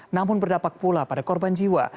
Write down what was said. namun berdampak pula pada korban jiwa